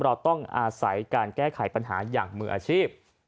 เราต้องอาศัยการแก้ไขปัญหาอย่างมืออาชีพ